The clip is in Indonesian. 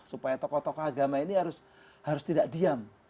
supaya tokoh tokoh agama ini harus tidak diam